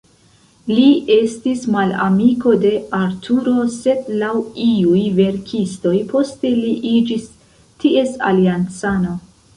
Li estis malamiko de Arturo, sed, laŭ iuj verkistoj, poste li iĝis ties aliancano.